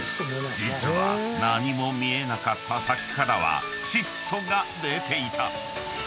実は何も見えなかった先からは窒素が出ていた］